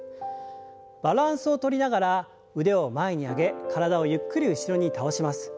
バランスをとりながら腕を前に上げ体をゆっくり後ろに倒します。